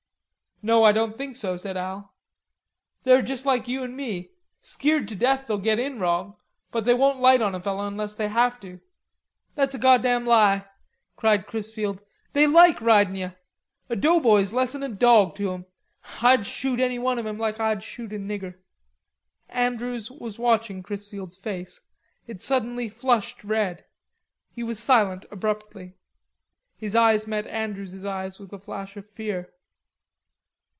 "No, I don't think so," said Al. "They're juss like you an me, skeered to death they'll get in wrong, but they won't light on a feller unless they have to." "That's a goddam lie," cried Chrisfield. "They like ridin' yer. A doughboy's less'n a dawg to 'em. Ah'd shoot anyone of 'em lake Ah'd shoot a nigger." Andrews was watching Chrisfield's face; it suddenly flushed red. He was silent abruptly. His eyes met Andrews's eyes with a flash of fear.